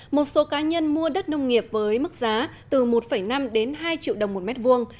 một số cá nhân mua đất nông nghiệp với mức giá từ một năm đến hai triệu đồng một mét vuông